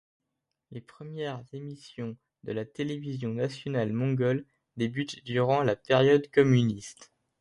Les premières émissions de la télévision nationale mongole débutent durant la période communiste.